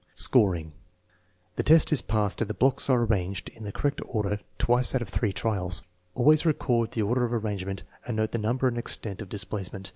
Scoring. The test is passed if the blocks are arranged in the correct order twice out of three trials. Always record the order of arrangement and note the number and extent of displacement.